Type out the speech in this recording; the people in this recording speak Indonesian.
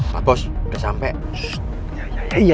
pakauost kalau moundnya medadiam ga mungkin jadi petugasnya